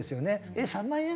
えっ３万円？